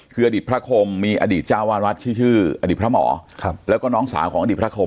คืออดิตพระคมมีอดิตจาวรัฐชื่อชื่ออดิตพระหมอครับแล้วก็น้องสาของอดิตพระคม